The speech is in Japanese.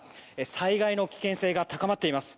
災害の危険性が高まっています。